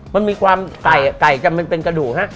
มันมีความไก่กันมันเป็นกระดูกฮะ